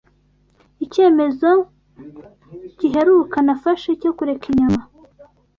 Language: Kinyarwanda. Icyemezo Giheruka Nafashe cyo Kureka Inyama